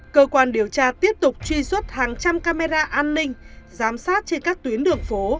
cơ quan điều tra tiếp tục truy xuất hàng trăm camera an ninh giám sát trên các tuyến đường phố